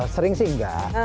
sering sih enggak